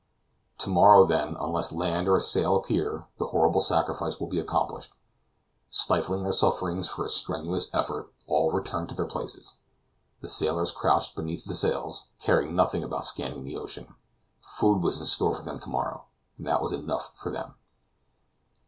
To morrow, then, unless land or a sail appear, the horrible sacrifice will be accomplished. Stifling their sufferings by a strenuous effort, all returned to their places. The sailors crouched beneath the sails, caring nothing about scanning the ocean. Food was in store for them to morrow, and that was enough for them.